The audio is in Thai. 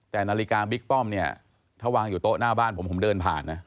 แต่นาฬิกาบิ๊กป้อมเนี่ยถ้าวางอยู่โต๊ะหน้าบ้านผมผมเดินผ่านนะ